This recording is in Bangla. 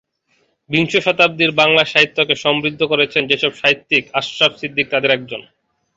বিংশ শতাব্দীর বাংলা সাহিত্যকে সমৃদ্ধ করেছেন যেসব সাহিত্যিক, আশরাফ সিদ্দিকী তাদের একজন।